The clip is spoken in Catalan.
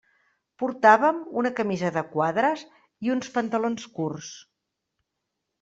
Portàvem una camisa de quadres i uns pantalons curts.